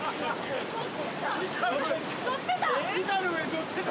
乗ってた。